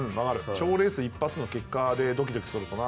賞レース一発の結果でドキドキするとな。